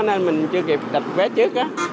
nên mình chưa kịp đặt vé trước